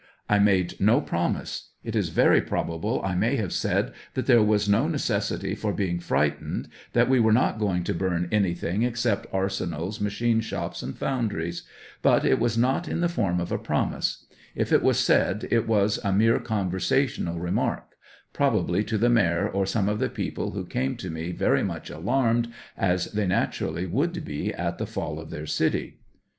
I made no promise ; it is very probable I may have said that there was no necessity for being fright ened, that we were not going to burn anything except arsenals, machine shops and foundries ; but it was not in the form of a promise ; if it was said it was a mere conversational remark, probably to the mayor or some of the people who came to me very much alarmed, as they naturally would be at the fall of their city.